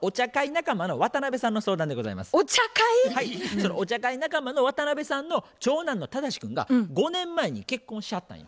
そのお茶会仲間の渡辺さんの長男の忠志君が５年前に結婚しはったんよ。